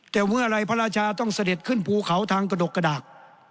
แต่เมื่อไรพระราชาต้องเสด็จขึ้นภูเขาทางกระดกกระดาษ